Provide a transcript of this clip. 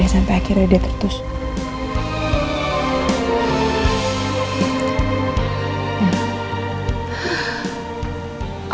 sampai akhirnya dia tertusuk